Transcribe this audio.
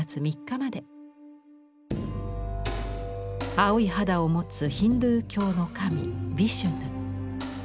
青い肌を持つヒンドゥー教の神ヴィシュヌ。